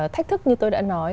thách thức như tôi đã nói